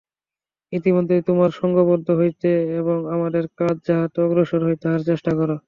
ইতোমধ্যে তোমরা সঙ্ঘবদ্ধ হইতে এবং আমাদের কাজ যাহাতে অগ্রসর হয়, তাহার চেষ্টা কর।